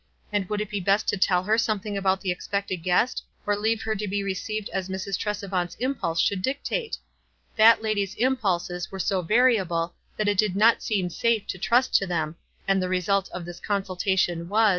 And would it be best to tell her something about the expected guest, or leave her to be received as Mrs. Tresevant's impulse should dictate? That lady's impulses w^ere so variable that it did not seem safe to trust to them, and the result of this consultatiou was, WISE AND OTHERWISE.